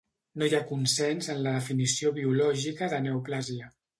No hi ha consens en la definició biològica de neoplàsia.